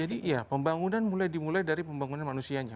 jadi ya pembangunan mulai dimulai dari pembangunan manusianya